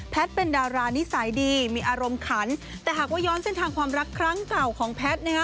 เป็นดารานิสัยดีมีอารมณ์ขันแต่หากว่าย้อนเส้นทางความรักครั้งเก่าของแพทย์นะฮะ